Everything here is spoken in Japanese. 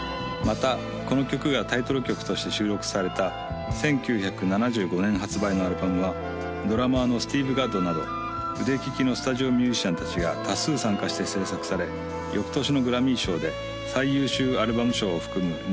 またこの曲がタイトル曲として収録された１９７５年発売のアルバムはドラマーのスティーヴ・ガッドなど腕利きのスタジオミュージシャン達が多数参加して制作され翌年のグラミー賞で最優秀アルバム賞を含む